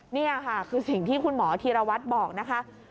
นี่ค่ะคือสิ่งที่คุณหมอธีรวัตรบอกนะคะ